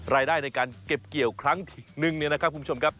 รายได้ในการเก็บเกี่ยวครั้งนึงเนี่ยนะครับคุณผู้ชมครับ